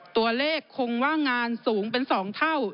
ตัวเลขคงว่างงานสูงเป็น๒เท่า